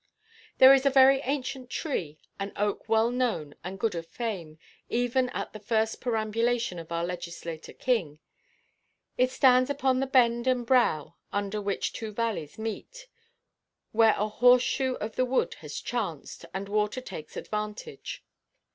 There is a very ancient tree, an oak well known and good of fame, even at the first perambulation of our legislator king. It stands upon the bend and brow under which two valleys meet, where a horse–shoe of the wood has chanced, and water takes advantage.